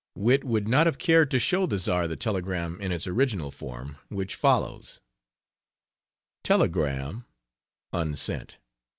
Witte would not have cared to show the Czar the telegram in its original form, which follows. Telegram (unsent).